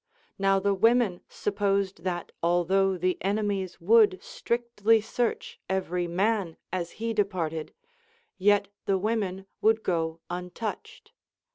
Now the women supposed that, although the ene mies would strictly search every man as he departed, yet the women would go untouched.